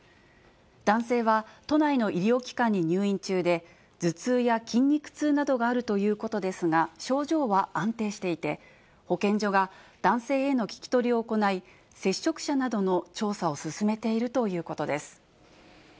男性は、都内の医療機関に入院中で、頭痛や筋肉痛などがあるということですが、症状は安定していて、保健所が男性への聞き取りを行い、接触者などの調査を進めているということです。